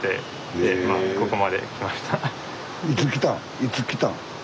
いつ来たん？